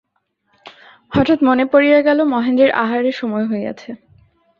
হঠাৎ মনে পড়িয়া গেল, মহেন্দ্রের আহারের সময় হইয়াছে।